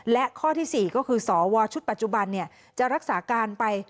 และข้อที่๔ก็คือสวชุดปัจจุบันจะรักษาการไป